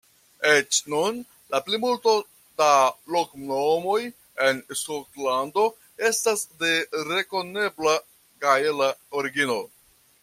Eĉ nun, la plimulto da loknomoj en Skotlando estas de rekonebla gaela origino.